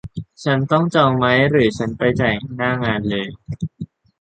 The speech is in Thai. ฉันต้องจองไหม หรือ ฉันไปจ่ายหน้างานเลย